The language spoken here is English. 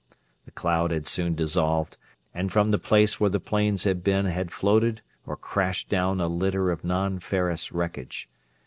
The cloud had soon dissolved, and from the place where the planes had been there had floated or crashed down a litter of non ferrous wreckage.